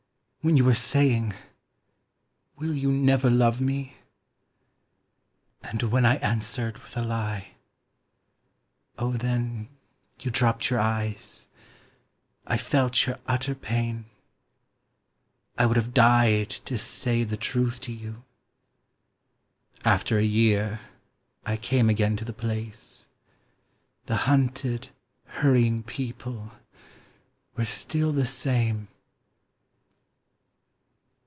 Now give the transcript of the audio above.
When you were saying, "Will you never love me?" And when I answered with a lie. Oh then You dropped your eyes. I felt your utter pain. I would have died to say the truth to you. After a year I came again to the place The hunted hurrying people were still the same....